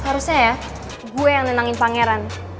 harusnya ya gue yang nenangin pangeran